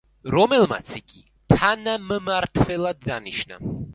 რომელმაც იგი თანამმართველად დანიშნა.